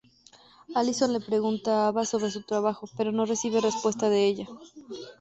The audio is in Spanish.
Alison le pregunta a Ava sobre su trabajo pero no recibe respuesta de ella.